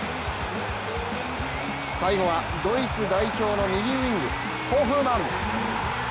最後はドイツ代表の右ウイング・ホフマン。